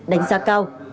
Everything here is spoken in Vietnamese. đánh giá cao